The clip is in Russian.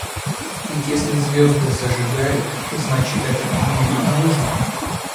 Ведь, если звезды зажигают — значит – это кому-нибудь нужно?